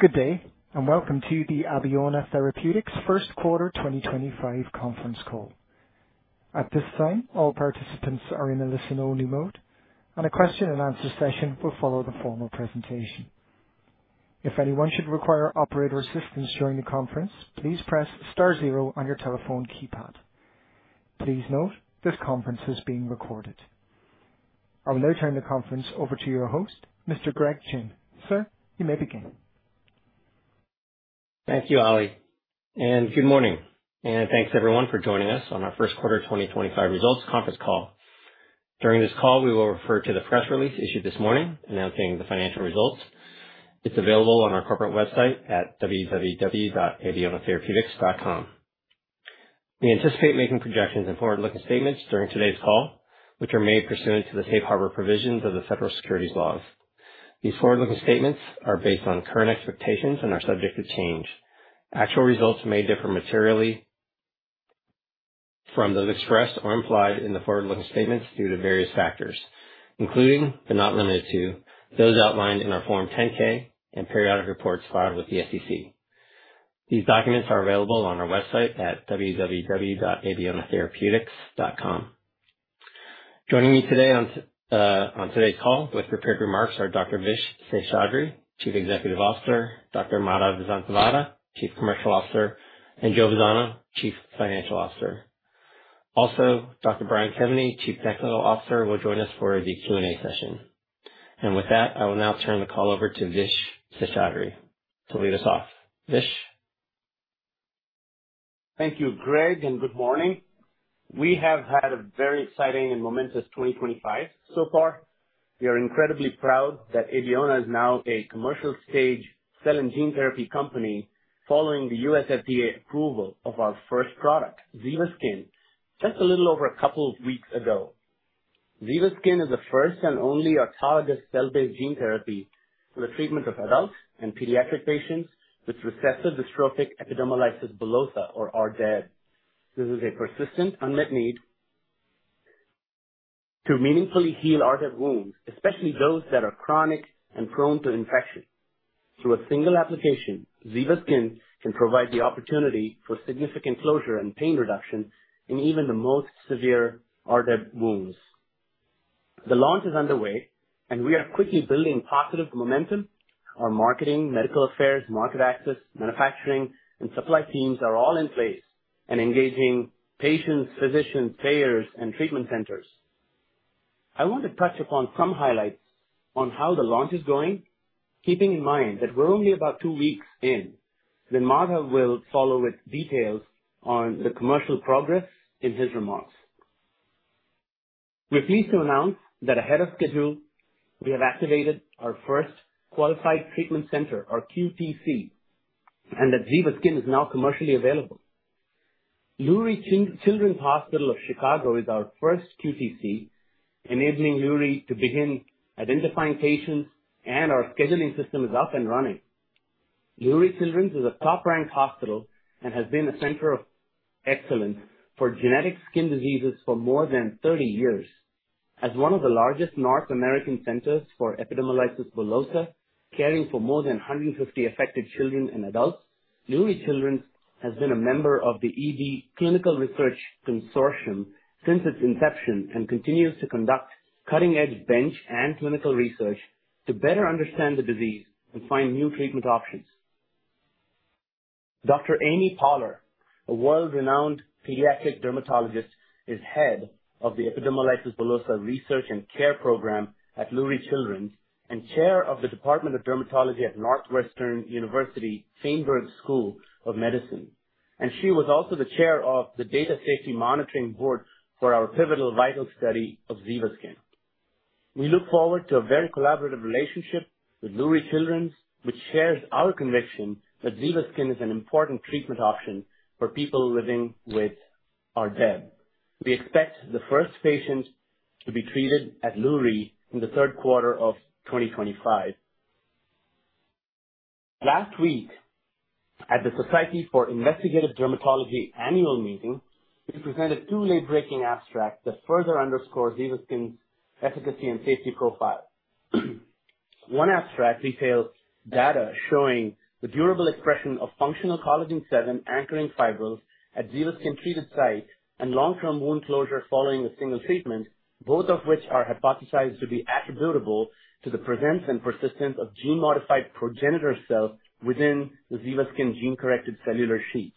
Good day, and welcome to the Abeona Therapeutics First Quarter 2025 conference call. At this time, all participants are in a listen-only mode, and a question-and-answer session will follow the formal presentation. If anyone should require operator assistance during the conference, please press star zero on your telephone keypad. Please note this conference is being recorded. I will now turn the conference over to your host, Mr. Greg Gin. Sir, you may begin. Thank you, Ali. Good morning, and thanks, everyone, for joining us on our First Quarter 2025 Results Conference Call. During this call, we will refer to the press release issued this morning announcing the financial results. It is available on our corporate website at www.abeonatherapeutics.com. We anticipate making projections and forward-looking statements during today's call, which are made pursuant to the safe harbor provisions of the federal securities laws. These forward-looking statements are based on current expectations and are subject to change. Actual results may differ materially from those expressed or implied in the forward-looking statements due to various factors, including, but not limited to, those outlined in our Form 10-K and periodic reports filed with the SEC. These documents are available on our website at www.abeonatherapeutics.com. Joining me today on today's call with prepared remarks are Dr. Vish Seshadri, Chief Executive Officer; Dr. Madhav Vasanthavada, Chief Commercial Officer, and Joe Vazzano, Chief Financial Officer. Also, Dr. Brian Kevany, Chief Technical Officer, will join us for the Q&A session. With that, I will now turn the call over to Vish Seshadri to lead us off. Vish. Thank you, Greg, and good morning. We have had a very exciting and momentous 2025 so far. We are incredibly proud that Abeona is now a commercial-stage cell and gene therapy company following the U.S. FDA approval of our first product, ZivaSkin, just a little over a couple of weeks ago. ZivaSkin is the first and only autologous cell-based gene therapy for the treatment of adult and pediatric patients with recessive dystrophic epidermolysis bullosa, or RDEB. This is a persistent, unmet need to meaningfully heal RDEB wounds, especially those that are chronic and prone to infection. Through a single application, ZivaSkin can provide the opportunity for significant closure and pain reduction in even the most severe RDEB wounds. The launch is underway, and we are quickly building positive momentum. Our marketing, medical affairs, market access, manufacturing, and supply teams are all in place and engaging patients, physicians, payers, and treatment centers. I want to touch upon some highlights on how the launch is going, keeping in mind that we're only about two weeks in, then Madhav will follow with details on the commercial progress in his remarks. We're pleased to announce that ahead of schedule, we have activated our first Qualified Treatment Center, or QTC, and that ZivaSkin is now commercially available. Lurie Children's Hospital of Chicago is our first QTC, enabling Lurie to begin identifying patients, and our scheduling system is up and running. Lurie Children's is a top-ranked hospital and has been a center of excellence for genetic skin diseases for more than 30 years. As one of the largest North American centers for epidermolysis bullosa, caring for more than 150 affected children and adults, Lurie Children's has been a member of the EB Clinical Research Consortium since its inception and continues to conduct cutting-edge bench and clinical research to better understand the disease and find new treatment options. Dr. Amy Paller, a world-renowned pediatric dermatologist, is head of the epidermolysis bullosa research and care program at Lurie Children's and chair of the Department of Dermatology at Northwestern University Feinberg School of Medicine. She was also the chair of the Data Safety Monitoring Board for our pivotal study of ZivaSkin. We look forward to a very collaborative relationship with Lurie Children's, which shares our conviction that ZivaSkin is an important treatment option for people living with RDEB. We expect the first patient to be treated at Lurie in the third quarter of 2025. Last week, at the Society for Investigative Dermatology annual meeting, we presented two late-breaking abstracts that further underscore ZivaSkin's efficacy and safety profile. One abstract details data showing the durable expression of functional collagen VII anchoring fibrils at ZivaSkin treated site and long-term wound closure following a single treatment, both of which are hypothesized to be attributable to the presence and persistence of gene-modified progenitor cells within the ZivaSkin gene-corrected cellular sheaths.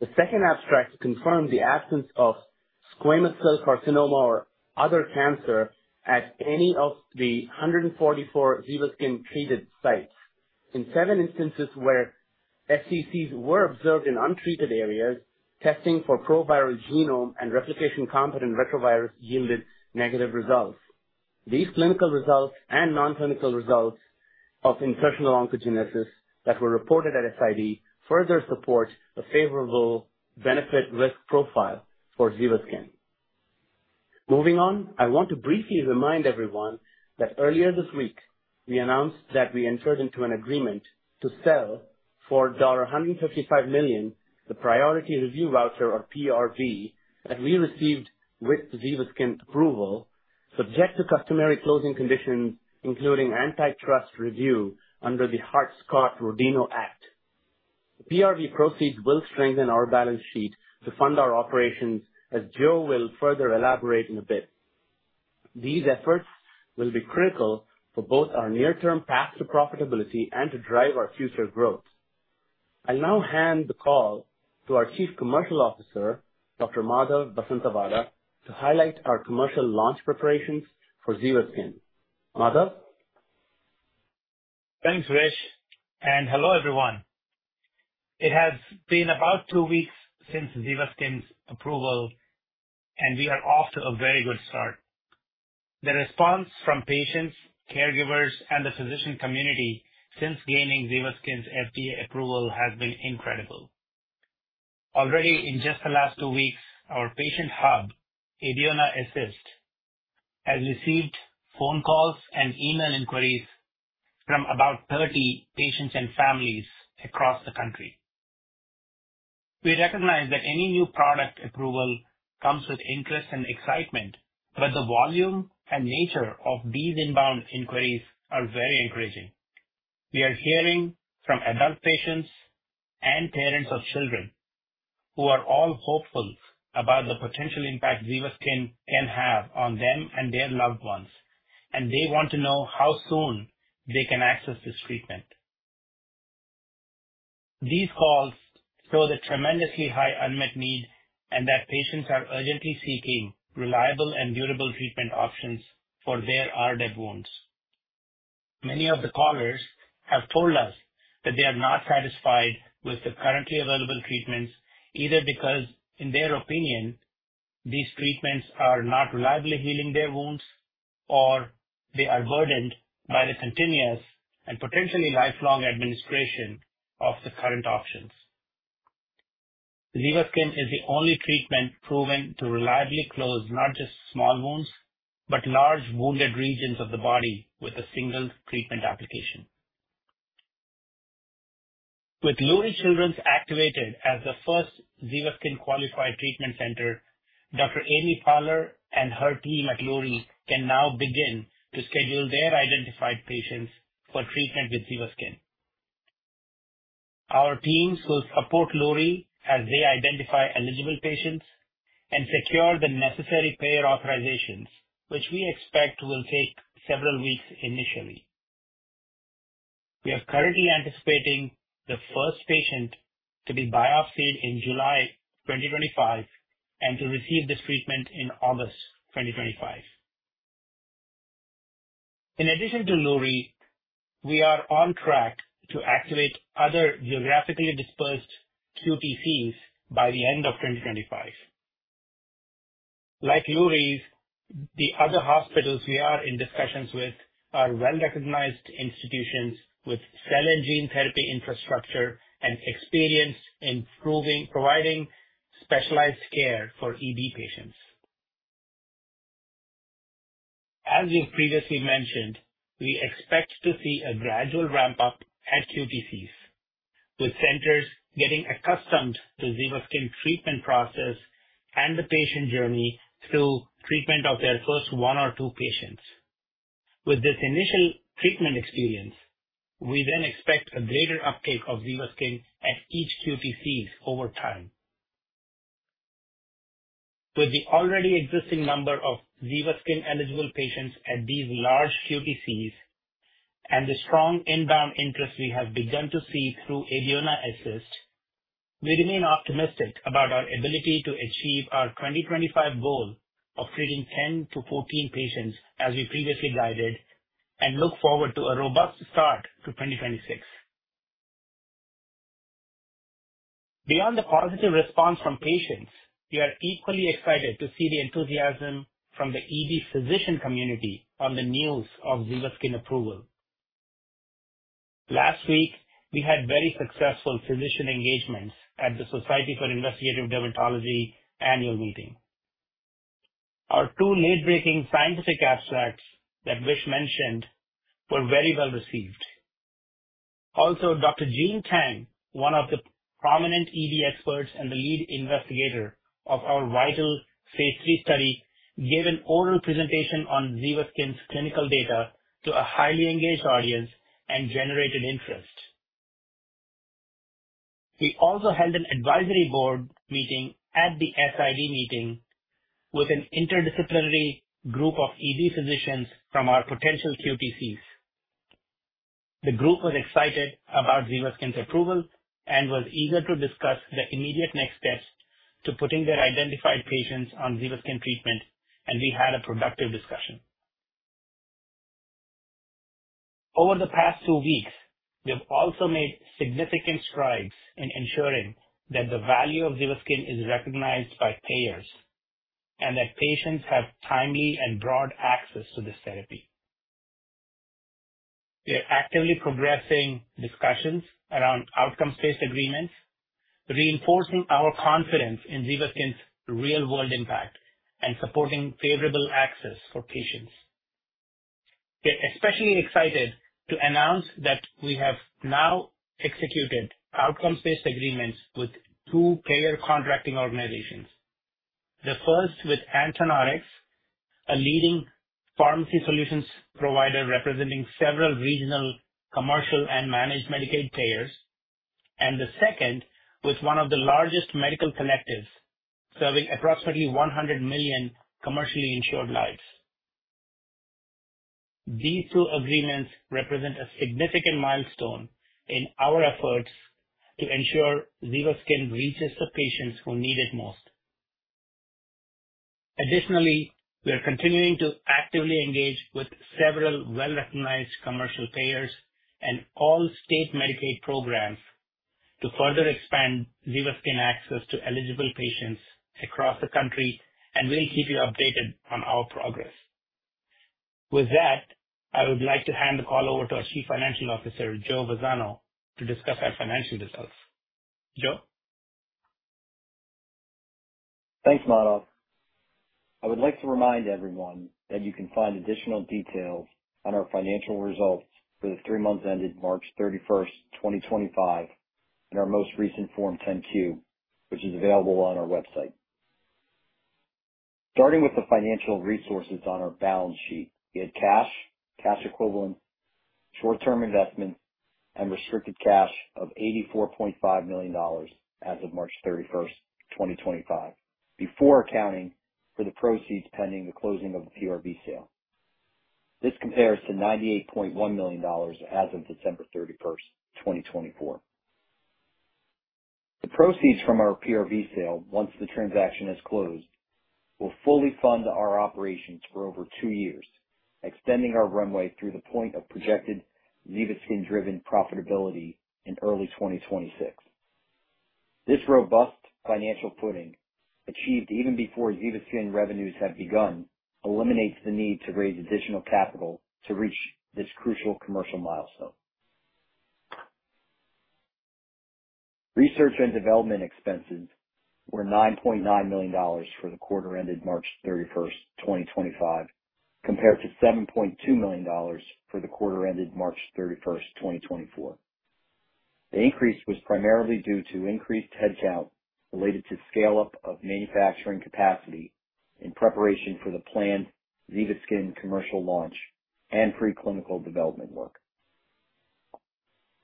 The second abstract confirmed the absence of squamous cell carcinoma or other cancer at any of the 144 ZivaSkin treated sites. In seven instances where SCCs were observed in untreated areas, testing for pro-viral genome and replication-competent retrovirus yielded negative results. These clinical results and non-clinical results of insertional oncogenesis that were reported at SID further support a favorable benefit-risk profile for ZivaSkin. Moving on, I want to briefly remind everyone that earlier this week, we announced that we entered into an agreement to sell for $155 million the priority review voucher, or PRV, that we received with ZivaSkin approval, subject to customary closing conditions, including antitrust review under the Hart-Scott-Rodino Act. The PRV proceeds will strengthen our balance sheet to fund our operations, as Joe will further elaborate in a bit. These efforts will be critical for both our near-term path to profitability and to drive our future growth. I'll now hand the call to our Chief Commercial Officer, Dr. Madhav Vasanthavada, to highlight our commercial launch preparations for ZivaSkin. Madhav? Thanks, Vish. Hello, everyone. It has been about two weeks since ZivaSkin's approval, and we are off to a very good start. The response from patients, caregivers, and the physician community since gaining ZivaSkin's FDA approval has been incredible. Already, in just the last two weeks, our patient hub, Abeona Assist, has received phone calls and email inquiries from about 30 patients and families across the country. We recognize that any new product approval comes with interest and excitement, but the volume and nature of these inbound inquiries are very encouraging. We are hearing from adult patients and parents of children who are all hopeful about the potential impact ZivaSkin can have on them and their loved ones, and they want to know how soon they can access this treatment. These calls show the tremendously high unmet need and that patients are urgently seeking reliable and durable treatment options for their RDEB wounds. Many of the callers have told us that they are not satisfied with the currently available treatments, either because, in their opinion, these treatments are not reliably healing their wounds, or they are burdened by the continuous and potentially lifelong administration of the current options. ZivaSkin is the only treatment proven to reliably close not just small wounds, but large wounded regions of the body with a single treatment application. With Lurie Children's activated as the first ZivaSkin Qualified Treatment Center, Dr. Amy Paller and her team at Lurie can now begin to schedule their identified patients for treatment with ZivaSkin. Our teams will support Lurie as they identify eligible patients and secure the necessary payer authorizations, which we expect will take several weeks initially. We are currently anticipating the first patient to be biopsied in July 2025 and to receive this treatment in August 2025. In addition to Lurie, we are on track to activate other geographically dispersed QTCs by the end of 2025. Like Lurie’s, the other hospitals we are in discussions with are well-recognized institutions with cell and gene therapy infrastructure and experience in providing specialized care for EB patients. As we have previously mentioned, we expect to see a gradual ramp-up at QTCs, with centers getting accustomed to the ZivaSkin treatment process and the patient journey through treatment of their first one or two patients. With this initial treatment experience, we then expect a greater uptake of ZivaSkin at each QTCs over time. With the already existing number of ZivaSkin eligible patients at these large QTCs and the strong inbound interest we have begun to see through Abeona Assist, we remain optimistic about our ability to achieve our 2025 goal of treating 10-14 patients as we previously guided and look forward to a robust start to 2026. Beyond the positive response from patients, we are equally excited to see the enthusiasm from the EB physician community on the news of ZivaSkin approval. Last week, we had very successful physician engagements at the Society for Investigative Dermatology annual meeting. Our two late-breaking scientific abstracts that Vish mentioned were very well received. Also, Dr. Jean Tang, one of the prominent EB experts and the lead investigator of our vital Phase III study, gave an oral presentation on ZivaSkin's clinical data to a highly engaged audience and generated interest. We also held an advisory board meeting at the SID meeting with an interdisciplinary group of EB physicians from our potential QTCs. The group was excited about ZivaSkin's approval and was eager to discuss the immediate next steps to putting their identified patients on ZivaSkin treatment, and we had a productive discussion. Over the past two weeks, we have also made significant strides in ensuring that the value of ZivaSkin is recognized by payers and that patients have timely and broad access to this therapy. We are actively progressing discussions around outcome-based agreements, reinforcing our confidence in ZivaSkin's real-world impact and supporting favorable access for patients. We are especially excited to announce that we have now executed outcome-based agreements with two payer contracting organizations. The first with Anton Rx, a leading pharmacy solutions provider representing several regional commercial and managed Medicaid payers, and the second with one of the largest medical collectives serving approximately 100 million commercially insured lives. These two agreements represent a significant milestone in our efforts to ensure ZivaSkin reaches the patients who need it most. Additionally, we are continuing to actively engage with several well-recognized commercial payers and all state Medicaid programs to further expand ZivaSkin access to eligible patients across the country, and we'll keep you updated on our progress. With that, I would like to hand the call over to our Chief Financial Officer, Joe Vazzano, to discuss our financial results. Joe? Thanks, Madhav. I would like to remind everyone that you can find additional details on our financial results for the three months ended March 31st, 2025, in our most recent Form 10-Q, which is available on our website. Starting with the financial resources on our balance sheet, we had cash, cash equivalents, short-term investments, and restricted cash of $84.5 million as of March 31st, 2025, before accounting for the proceeds pending the closing of the PRV sale. This compares to $98.1 million as of December 31st, 2024. The proceeds from our PRV sale, once the transaction is closed, will fully fund our operations for over two years, extending our runway through the point of projected ZivaSkin-driven profitability in early 2026. This robust financial footing, achieved even before ZivaSkin revenues have begun, eliminates the need to raise additional capital to reach this crucial commercial milestone. Research and development expenses were $9.9 million for the quarter ended March 31st, 2025, compared to $7.2 million for the quarter ended March 31st, 2024. The increase was primarily due to increased headcount related to scale-up of manufacturing capacity in preparation for the planned ZivaSkin commercial launch and preclinical development work.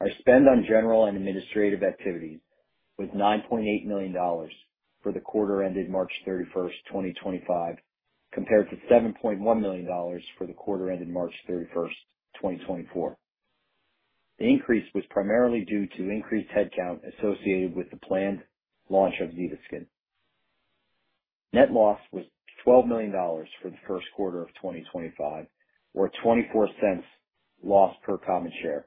Our spend on general and administrative activities was $9.8 million for the quarter ended March 31st, 2025, compared to $7.1 million for the quarter ended March 31st, 2024. The increase was primarily due to increased headcount associated with the planned launch of ZivaSkin. Net loss was $12 million for the first quarter of 2025, or $0.24 lost per common share,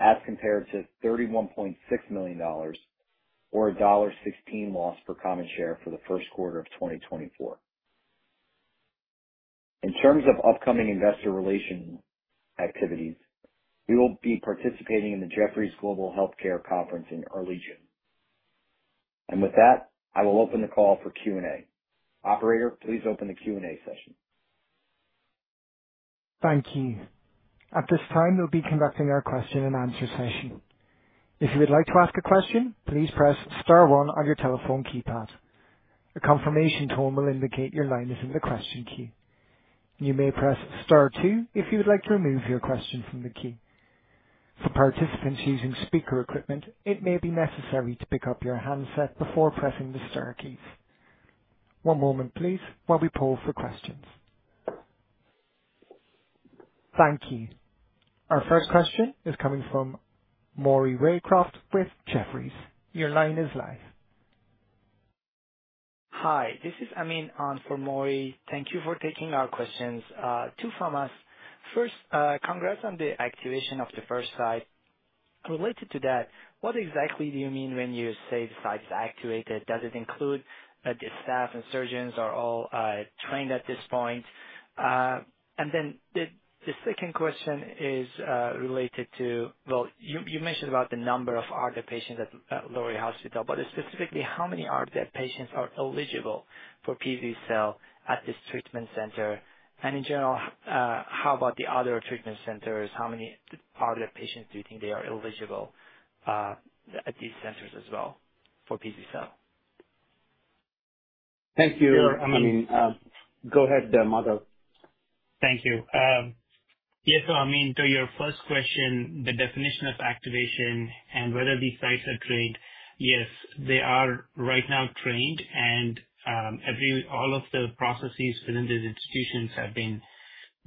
as compared to $31.6 million or $1.16 lost per common share for the first quarter of 2024. In terms of upcoming investor relation activities, we will be participating in the Jefferies Global Healthcare Conference in early June. With that, I will open the call for Q&A. Operator, please open the Q&A session. Thank you. At this time, we'll be conducting our question-and-answer session. If you would like to ask a question, please press Star 1 on your telephone keypad. A confirmation tone will indicate your line is in the question queue. You may press Star 2 if you would like to remove your question from the queue. For participants using speaker equipment, it may be necessary to pick up your handset before pressing the Star keys. One moment, please, while we poll for questions. Thank you. Our first question is coming from Maury Raycroft with Jefferies. Your line is live. Hi, this is Amin on for Maury. Thank you for taking our questions, two from us. First, congrats on the activation of the first site. Related to that, what exactly do you mean when you say the site is activated? Does it include the staff and surgeons? Are all trained at this point? The second question is related to, you mentioned about the number of RDEB patients at Lurie Children's Hospital, but specifically, how many RDEB patients are eligible for Pz-cel at this treatment center? In general, how about the other treatment centers? How many RDEB patients do you think are eligible at these centers as well for Pz-cel? Thank you. Amin. Go ahead, Madhav. Thank you. Yes, so Amin, to your first question, the definition of activation and whether these sites are trained, yes, they are right now trained, and all of the processes within these institutions have been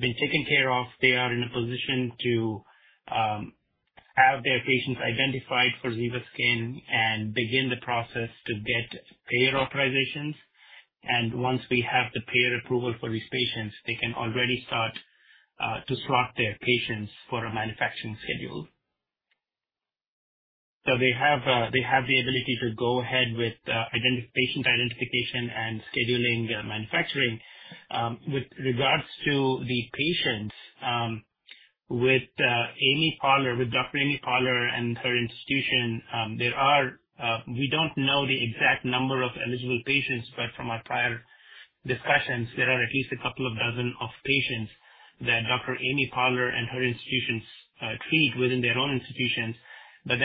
taken care of. They are in a position to have their patients identified for ZivaSkin and begin the process to get payer authorizations. Once we have the payer approval for these patients, they can already start to slot their patients for a manufacturing schedule. They have the ability to go ahead with patient identification and scheduling manufacturing. With regards to the patients, with Dr. Amy Paller and her institution, we do not know the exact number of eligible patients, but from our prior discussions, there are at least a couple of dozen patients that Dr. Amy Paller and her institutions treat within their own institutions. There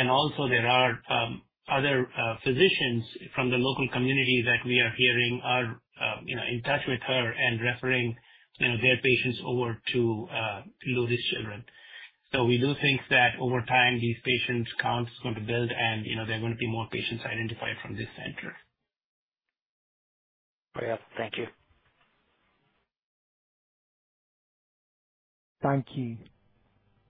are other physicians from the local community that we are hearing are in touch with her and referring their patients over to Lurie Children's. We do think that over time, these patient counts are going to build, and there are going to be more patients identified from this center. Great. Thank you. Thank you.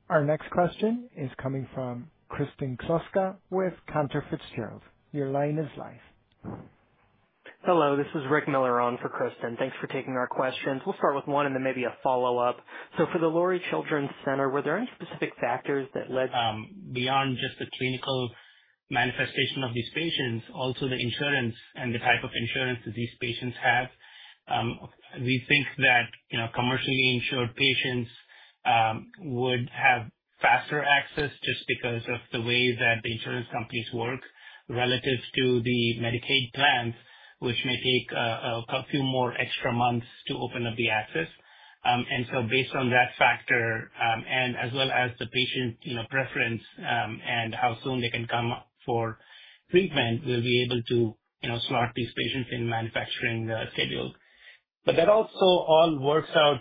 Our next question is coming from Kristin Krzoska with Cantor Fitzgerald. Your line is live. Hello. This is Rick Miller on for Kristin. Thanks for taking our questions. We'll start with one and then maybe a follow-up. For the Lurie Children's Center, were there any specific factors that led beyond just the clinical manifestation of these patients, also the insurance and the type of insurance that these patients have? We think that commercially insured patients would have faster access just because of the way that the insurance companies work relative to the Medicaid plans, which may take a few more extra months to open up the access. Based on that factor, and as well as the patient preference and how soon they can come for treatment, we'll be able to slot these patients in manufacturing schedule. That also all works out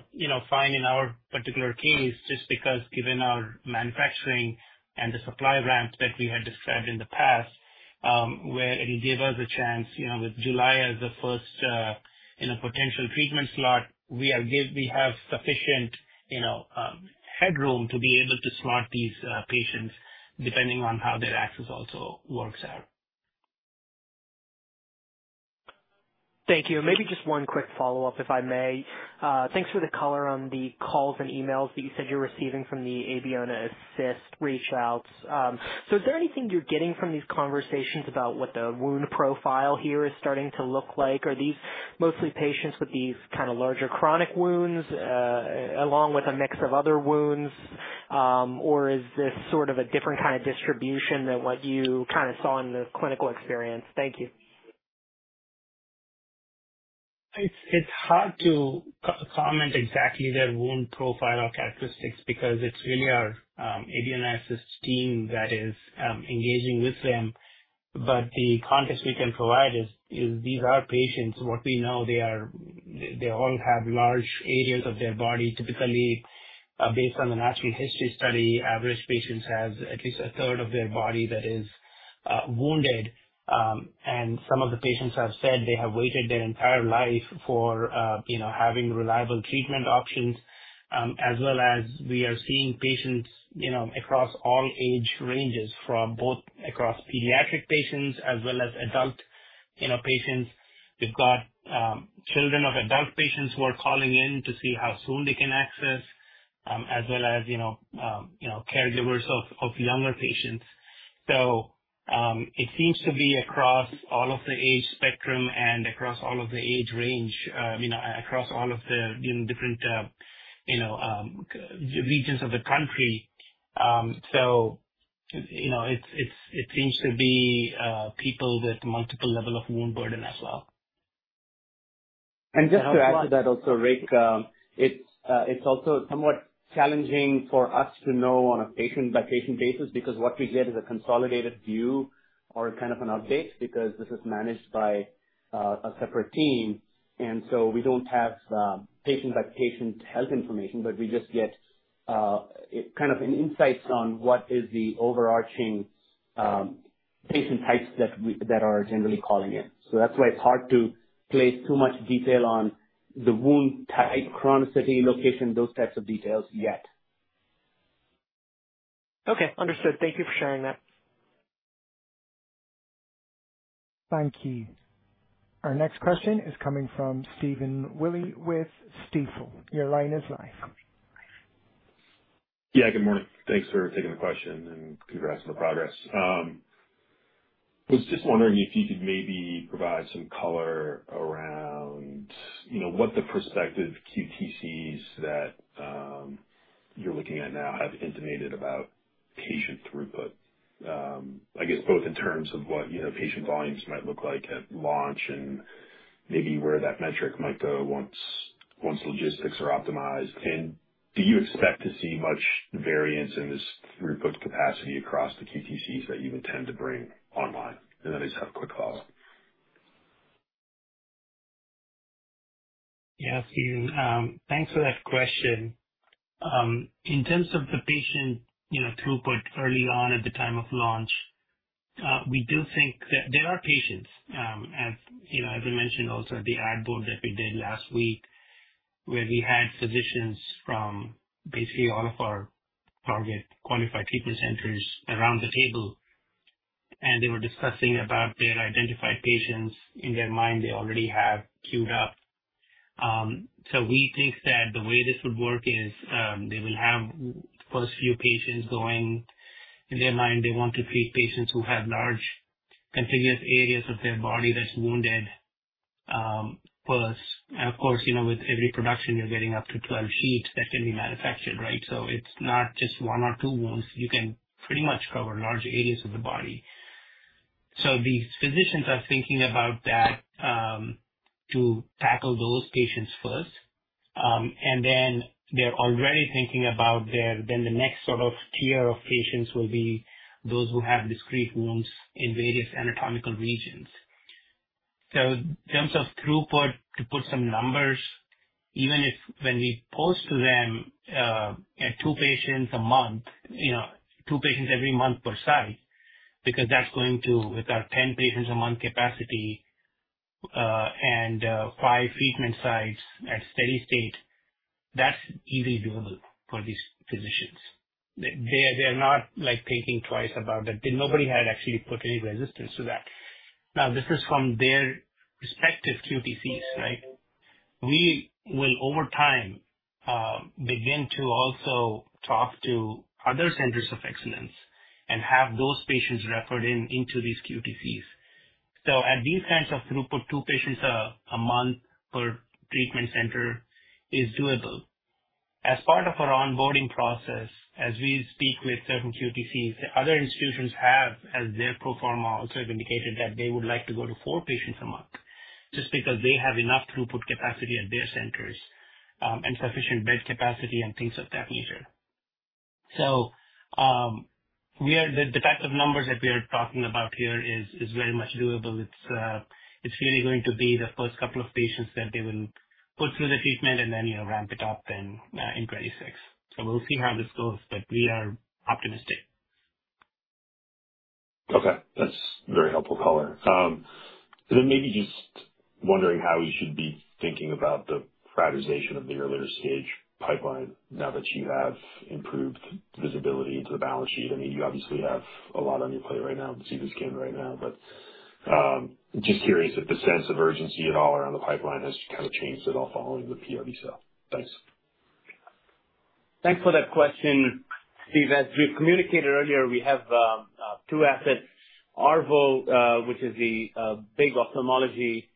fine in our particular case just because given our manufacturing and the supply ramp that we had described in the past, where it will give us a chance with July as the first potential treatment slot, we have sufficient headroom to be able to slot these patients depending on how their access also works out. Thank you. Maybe just one quick follow-up, if I may. Thanks for the color on the calls and emails that you said you're receiving from the Abeona Assist reach-outs. Is there anything you're getting from these conversations about what the wound profile here is starting to look like? Are these mostly patients with these kind of larger chronic wounds along with a mix of other wounds, or is this sort of a different kind of distribution than what you kind of saw in the clinical experience? Thank you. It's hard to comment exactly their wound profile or characteristics because it's really our Abeona Assist team that is engaging with them. The context we can provide is these are patients. What we know, they all have large areas of their body. Typically, based on the natural history study, average patients have at least a third of their body that is wounded. Some of the patients have said they have waited their entire life for having reliable treatment options, as well as we are seeing patients across all age ranges, from both across pediatric patients as well as adult patients. We've got children of adult patients who are calling in to see how soon they can access, as well as caregivers of younger patients. It seems to be across all of the age spectrum and across all of the age range, across all of the different regions of the country. It seems to be people with multiple levels of wound burden as well. Just to add to that also, Rick, it's also somewhat challenging for us to know on a patient-by-patient basis because what we get is a consolidated view or kind of an update because this is managed by a separate team. We don't have patient-by-patient health information, but we just get kind of insights on what is the overarching patient types that are generally calling in. That's why it's hard to place too much detail on the wound type, chronicity, location, those types of details yet. Okay. Understood. Thank you for sharing that. Thank you. Our next question is coming from Stephen Willey with Stifel. Your line is live. Yeah. Good morning. Thanks for taking the question and congrats on the progress. I was just wondering if you could maybe provide some color around what the prospective QTCs that you're looking at now have intimated about patient throughput, I guess, both in terms of what patient volumes might look like at launch and maybe where that metric might go once logistics are optimized. Do you expect to see much variance in this throughput capacity across the QTCs that you intend to bring online? I just have a quick follow-up. Yeah. Thanks for that question. In terms of the patient throughput early on at the time of launch, we do think that there are patients, as I mentioned also at the ad board that we did last week, where we had physicians from basically all of our target qualified treatment centers around the table, and they were discussing about their identified patients in their mind they already have queued up. We think that the way this would work is they will have the first few patients going in their mind. They want to treat patients who have large contiguous areas of their body that's wounded first. Of course, with every production, you're getting up to 12 sheets that can be manufactured, right? It's not just one or two wounds. You can pretty much cover large areas of the body. These physicians are thinking about that to tackle those patients first. They are already thinking about then the next sort of tier of patients will be those who have discrete wounds in various anatomical regions. In terms of throughput, to put some numbers, even if when we post to them two patients a month, two patients every month per site, because that's going to, with our 10 patients a month capacity and five treatment sites at steady state, that's easily doable for these physicians. They are not thinking twice about that. Nobody had actually put any resistance to that. This is from their respective QTCs, right? We will, over time, begin to also talk to other centers of excellence and have those patients referred into these QTCs. At these kinds of throughput, two patients a month per treatment center is doable. As part of our onboarding process, as we speak with certain QTCs, other institutions have, as their pro forma, also have indicated that they would like to go to four patients a month just because they have enough throughput capacity at their centers and sufficient bed capacity and things of that nature. The type of numbers that we are talking about here is very much doable. It is really going to be the first couple of patients that they will put through the treatment and then ramp it up in 2026. We will see how this goes, but we are optimistic. Okay. That's very helpful color. Maybe just wondering how you should be thinking about the prioritization of the earlier stage pipeline now that you have improved visibility into the balance sheet. I mean, you obviously have a lot on your plate right now, ZivaSkin right now, but just curious if the sense of urgency at all around the pipeline has kind of changed at all following the PRV sale. Thanks. Thanks for that question, Steve. As we've communicated earlier, we have two assets. ARVO, which is the big ophthalmology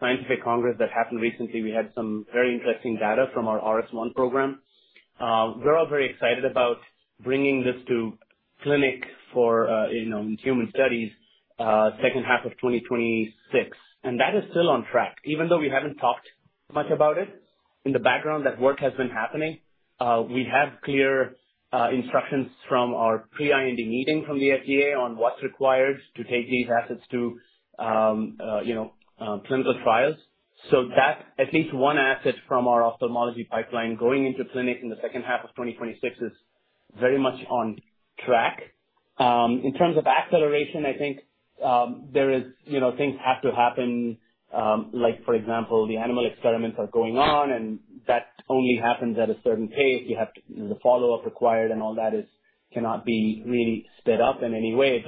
scientific congress that happened recently, we had some very interesting data from our RS1 program. We're all very excited about bringing this to clinic for human studies second half of 2026. That is still on track. Even though we haven't talked much about it, in the background, that work has been happening. We have clear instructions from our pre-IND meeting from the FDA on what's required to take these assets to clinical trials. At least one asset from our ophthalmology pipeline going into clinic in the second half of 2026 is very much on track. In terms of acceleration, I think there are things that have to happen. For example, the animal experiments are going on, and that only happens at a certain pace. You have the follow-up required, and all that cannot be really sped up in any way.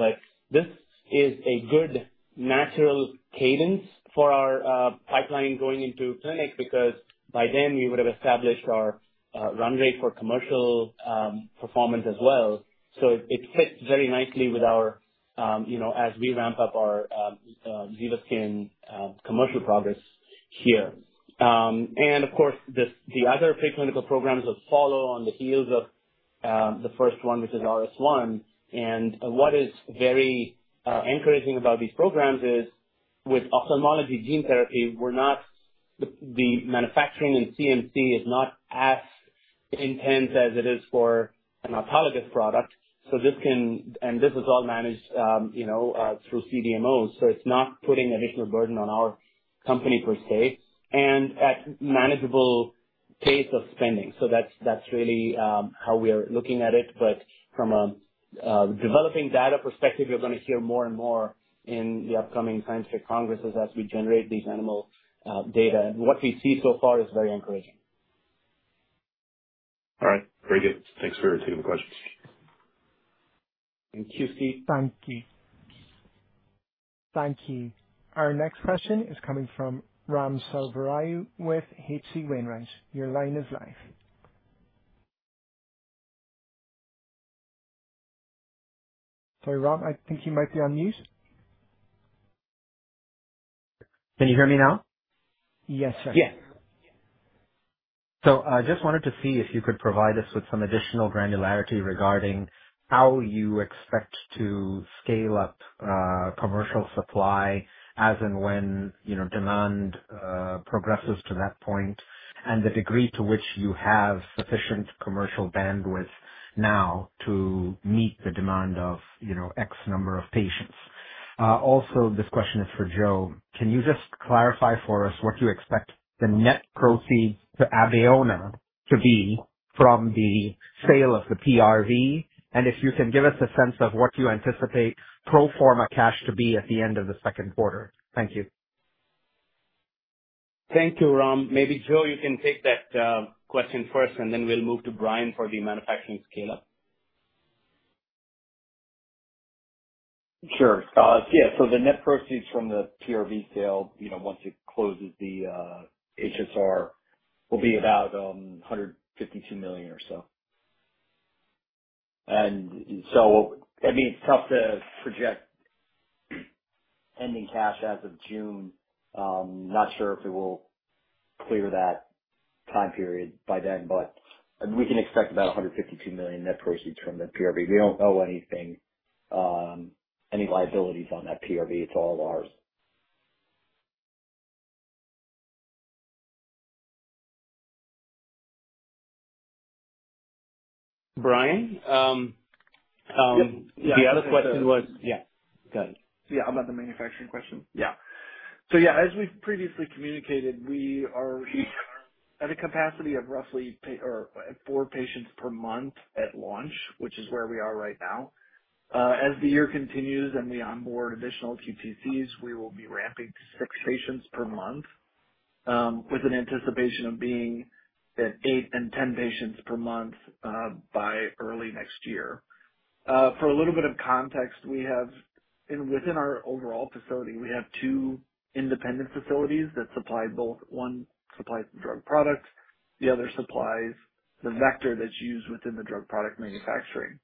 This is a good natural cadence for our pipeline going into clinic because by then, we would have established our run rate for commercial performance as well. It fits very nicely as we ramp up our ZivaSkin commercial progress here. Of course, the other preclinical programs will follow on the heels of the first one, which is RS1. What is very encouraging about these programs is with ophthalmology gene therapy, the manufacturing and CMC is not as intense as it is for an autologous product. This is all managed through CDMOs. It is not putting additional burden on our company per se and at manageable pace of spending. That is really how we are looking at it. From a developing data perspective, you're going to hear more and more in the upcoming scientific congresses as we generate these animal data. What we see so far is very encouraging. All right. Very good. Thanks for taking the questions. Thank you, Steve. Thank you. Thank you. Our next question is coming from Ramso Vrai with H.C. Wainwright. Your line is live. Sorry, Ram, I think you might be on mute. Can you hear me now? Yes, sir. Yes. I just wanted to see if you could provide us with some additional granularity regarding how you expect to scale up commercial supply as and when demand progresses to that point and the degree to which you have sufficient commercial bandwidth now to meet the demand of X number of patients. Also, this question is for Joe. Can you just clarify for us what you expect the net proceeds to Abeona to be from the sale of the PRV and if you can give us a sense of what you anticipate pro forma cash to be at the end of the second quarter? Thank you. Thank you, Ram. Maybe Joe, you can take that question first, and then we'll move to Brian for the manufacturing scale-up. Sure. Yeah. So the net proceeds from the PRV sale, once it closes the HSR, will be about $152 million or so. I mean, it's tough to project ending cash as of June. Not sure if it will clear that time period by then, but we can expect about $152 million net proceeds from the PRV. We do not owe anything, any liabilities on that PRV. It's all ours. Brian? The other question was. Yeah. Go ahead. Yeah. About the manufacturing question. Yeah. As we've previously communicated, we are at a capacity of roughly four patients per month at launch, which is where we are right now. As the year continues and we onboard additional QTCs, we will be ramping to six patients per month with an anticipation of being at eight and ten patients per month by early next year. For a little bit of context, within our overall facility, we have two independent facilities that supply both. One supplies the drug product. The other supplies the vector that's used within the drug product manufacturing.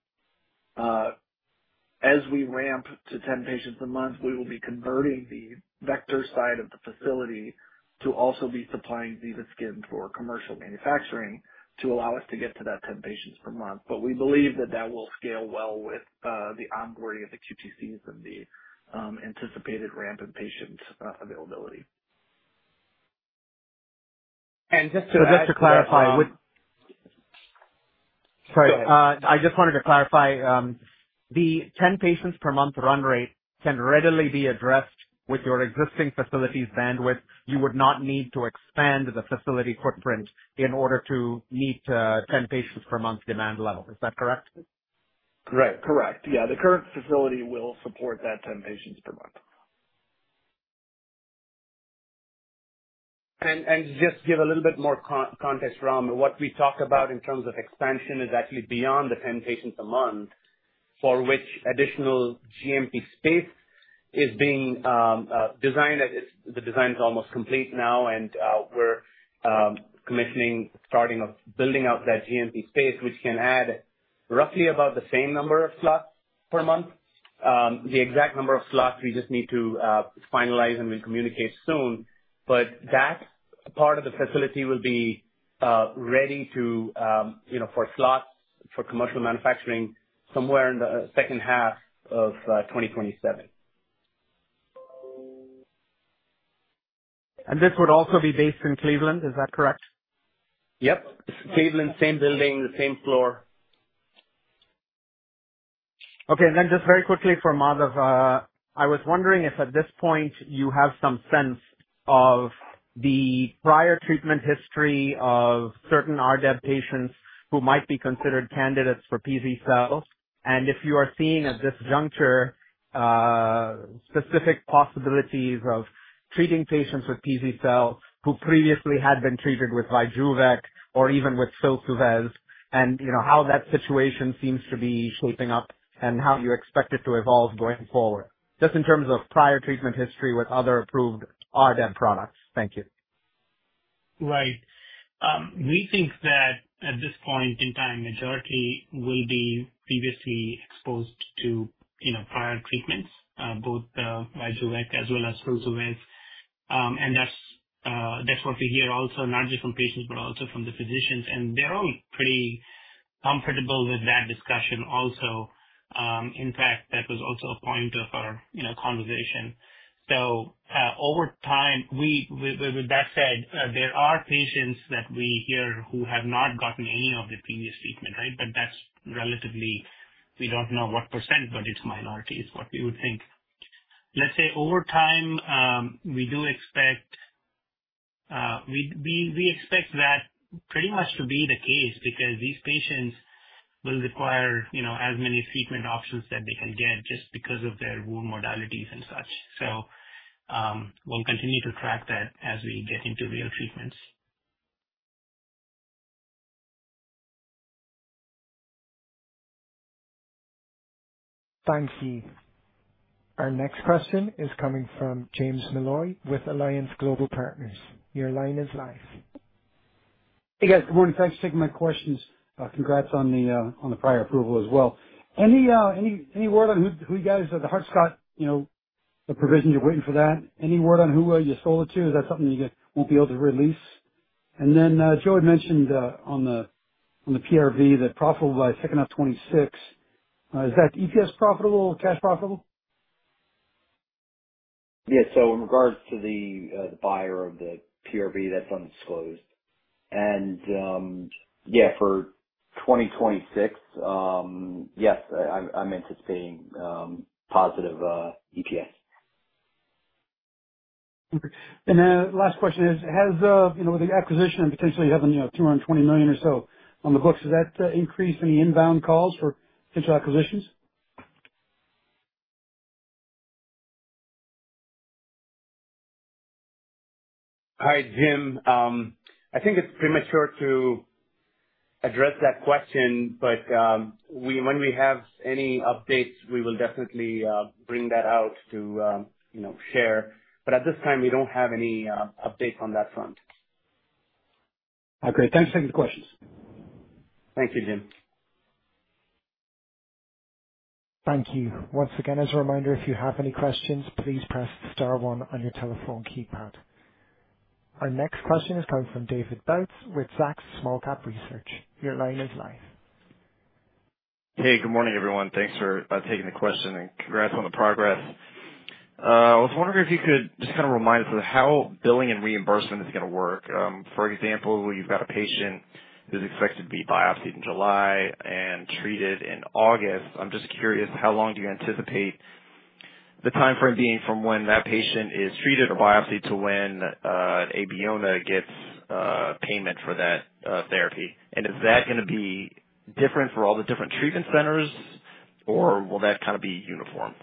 As we ramp to ten patients a month, we will be converting the vector side of the facility to also be supplying ZivaSkin for commercial manufacturing to allow us to get to that ten patients per month. We believe that that will scale well with the onboarding of the QTCs and the anticipated ramp in patient availability. And just to clarify. That's why. Sorry. I just wanted to clarify. The 10 patients per month run rate can readily be addressed with your existing facility's bandwidth. You would not need to expand the facility footprint in order to meet 10 patients per month demand level. Is that correct? Right. Correct. Yeah. The current facility will support that 10 patients per month. Just to give a little bit more context, Ram, what we talked about in terms of expansion is actually beyond the 10 patients a month for which additional GMP space is being designed. The design is almost complete now, and we're commissioning starting of building out that GMP space, which can add roughly about the same number of slots per month. The exact number of slots, we just need to finalize, and we'll communicate soon. That part of the facility will be ready for slots for commercial manufacturing somewhere in the second half of 2027. This would also be based in Cleveland. Is that correct? Yep. Cleveland, same building, the same floor. Okay. And then just very quickly for Madhav, I was wondering if at this point you have some sense of the prior treatment history of certain RDEB patients who might be considered candidates for ZivaSkin. And if you are seeing at this juncture specific possibilities of treating patients with ZivaSkin who previously had been treated with Vijuve or even with Filsuvez and how that situation seems to be shaping up and how you expect it to evolve going forward, just in terms of prior treatment history with other approved RDEB products. Thank you. Right. We think that at this point in time, majority will be previously exposed to prior treatments, both Vijuve and Filsuvez. And that's what we hear also, not just from patients, but also from the physicians. And they're all pretty comfortable with that discussion also. In fact, that was also a point of our conversation. Over time, with that said, there are patients that we hear who have not gotten any of the previous treatment, right? But that's relatively—we don't know what %, but it's minority is what we would think. Let's say over time, we do expect—we expect that pretty much to be the case because these patients will require as many treatment options that they can get just because of their wound modalities and such. We'll continue to track that as we get into real treatments. Thank you. Our next question is coming from James Molloy with Alliance Global Partners. Your line is live. Hey, guys. Good morning. Thanks for taking my questions. Congrats on the prior approval as well. Any word on who you guys—the Hart-Scott-Rodino provision, you're waiting for that. Any word on who you sold it to? Is that something you won't be able to release? Joe had mentioned on the PRV that profitable by second half 2026. Is that EPS profitable, cash profitable? Yeah. In regards to the buyer of the PRV, that's undisclosed. Yeah, for 2026, yes, I'm anticipating positive EPS. Okay. And last question is, with the acquisition and potentially having $220 million or so on the books, does that increase any inbound calls for potential acquisitions? Hi, Jim. I think it's premature to address that question, but when we have any updates, we will definitely bring that out to share. At this time, we don't have any updates on that front. Okay. Thanks for taking the questions. Thank you, Jim. Thank you. Once again, as a reminder, if you have any questions, please press the star one on your telephone keypad. Our next question is coming from David Bautz with Zacks Small-Cap Research. Your line is live. Hey, good morning, everyone. Thanks for taking the question and congrats on the progress. I was wondering if you could just kind of remind us of how billing and reimbursement is going to work. For example, you've got a patient who's expected to be biopsied in July and treated in August. I'm just curious, how long do you anticipate the timeframe being from when that patient is treated or biopsied to when Abeona gets payment for that therapy? Is that going to be different for all the different treatment centers, or will that kind of be uniform?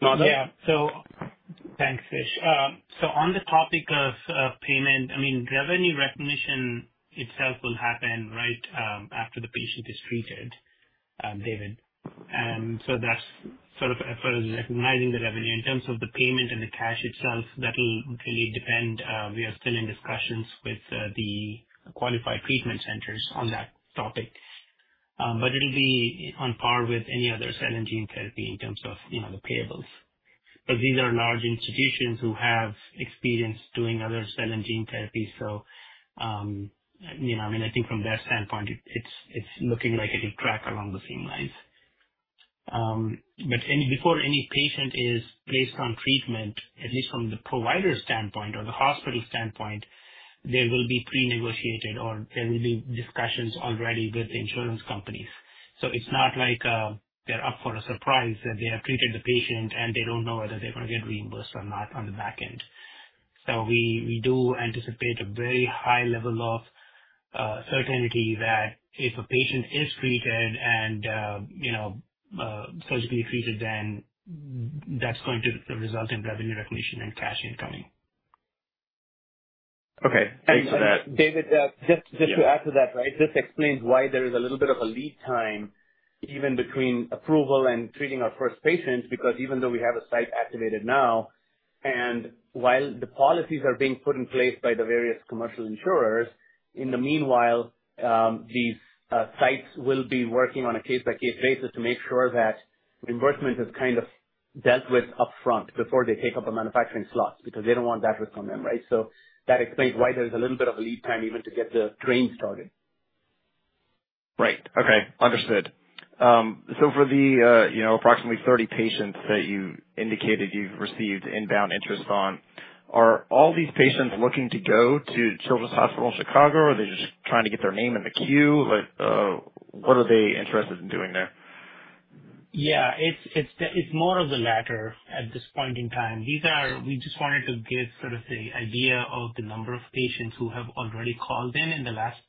Yeah. So thanks, Vish. On the topic of payment, I mean, revenue recognition itself will happen, right, after the patient is treated, David. That is sort of for recognizing the revenue. In terms of the payment and the cash itself, that'll really depend. We are still in discussions with the qualified treatment centers on that topic. It'll be on par with any other cell and gene therapy in terms of the payables. These are large institutions who have experience doing other cell and gene therapy. I mean, I think from their standpoint, it's looking like it'll track along the same lines. Before any patient is placed on treatment, at least from the provider's standpoint or the hospital standpoint, there will be pre-negotiated or there will be discussions already with the insurance companies. It's not like they're up for a surprise that they have treated the patient and they don't know whether they're going to get reimbursed or not on the back end. We do anticipate a very high level of certainty that if a patient is treated and surgically treated, then that's going to result in revenue recognition and cash incoming. Okay. Thanks for that. David, just to add to that, right, this explains why there is a little bit of a lead time even between approval and treating our first patients because even though we have a site activated now, and while the policies are being put in place by the various commercial insurers, in the meanwhile, these sites will be working on a case-by-case basis to make sure that reimbursement is kind of dealt with upfront before they take up a manufacturing slot because they do not want that with them, right? That explains why there is a little bit of a lead time even to get the train started. Right. Okay. Understood. For the approximately 30 patients that you indicated you've received inbound interest on, are all these patients looking to go to Children's Hospital in Chicago, or are they just trying to get their name in the queue? What are they interested in doing there? Yeah. It's more of the latter at this point in time. We just wanted to give sort of the idea of the number of patients who have already called in in the last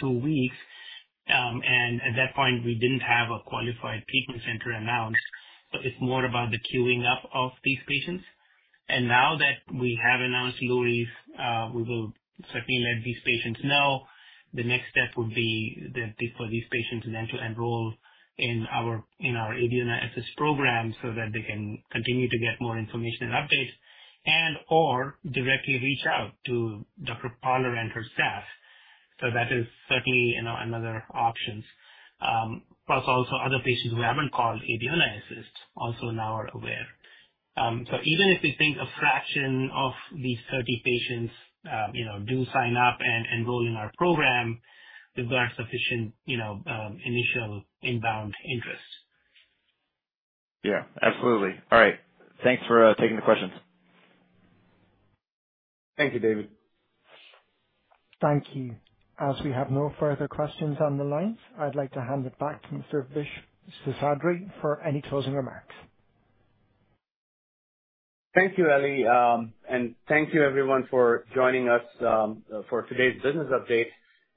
two weeks. At that point, we didn't have a Qualified Treatment Center announced. It's more about the queuing up of these patients. Now that we have announced Lurie’s, we will certainly let these patients know. The next step would be for these patients then to enroll in our Abeona Assist program so that they can continue to get more information and updates and/or directly reach out to Dr. Paller and her staff. That is certainly another option. Plus also, other patients who haven't called Abeona Assist also now are aware. Even if we think a fraction of these 30 patients do sign up and enroll in our program, we've got sufficient initial inbound interest. Yeah. Absolutely. All right. Thanks for taking the questions. Thank you, David. Thank you. As we have no further questions on the line, I'd like to hand it back to Mr. Vish Seshadri for any closing remarks. Thank you, Ali. Thank you, everyone, for joining us for today's business update.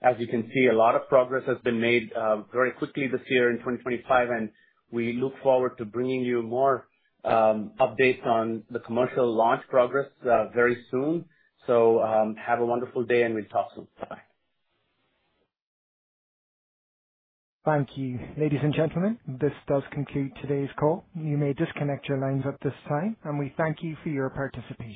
As you can see, a lot of progress has been made very quickly this year in 2025, and we look forward to bringing you more updates on the commercial launch progress very soon. Have a wonderful day, and we'll talk soon. Bye-bye. Thank you. Ladies and gentlemen, this does conclude today's call. You may disconnect your lines at this time, and we thank you for your participation.